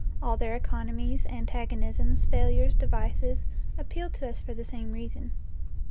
All their economies, antagonisms, failures, devices, appeal to us for the same reason.